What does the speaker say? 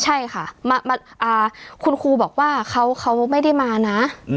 ใช่ค่ะคุณครูบอกว่าเขาไม่ได้มานะ